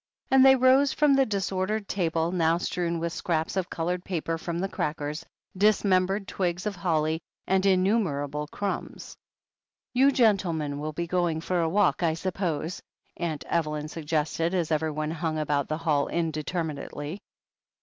and they rose from the disordered table, now strewn with scraps of coloured paper from the crackers, dismem bered twigs of holly, and inntunerable crtunbs. "You gentlemen will be going for a walk, I sup pose ?" Aunt Evelyn suggested, as everyone hung about the hall indeterminately.